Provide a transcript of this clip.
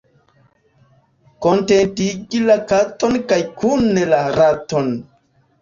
Kontentigi la katon kaj kune la raton.